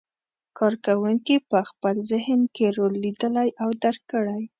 کار کوونکي په خپل ذهن کې رول لیدلی او درک کړی.